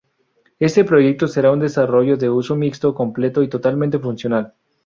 Este proyecto será un desarrollo de uso mixto completo y totalmente funcional.